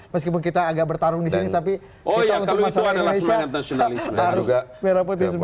meskipun kita agak bertarung di sini tapi kita untuk masyarakat indonesia harus merah putih semua